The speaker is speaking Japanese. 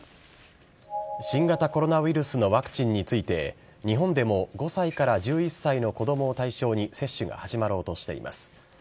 新型コロナウイルスのワクチンについて、日本でも５歳から１１歳の子どもを対象に接種が始まろうとしています。